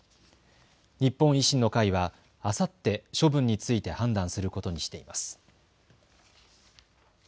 日本維新の会はあさって、処分について判断することにしています。